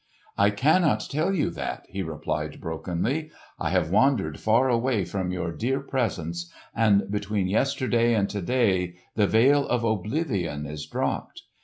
"I cannot tell you that," he replied brokenly. "I have wandered far away from your dear presence; and between yesterday and to day the veil of oblivion is dropped.